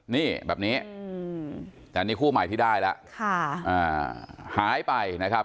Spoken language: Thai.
นี่แบบนี้แต่นี่คู่ใหม่ที่ได้แล้วหายไปนะครับ